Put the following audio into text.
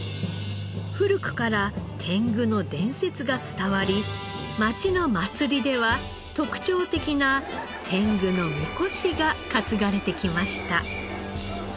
古くから天狗の伝説が伝わり町の祭りでは特徴的な天狗のみこしが担がれてきました。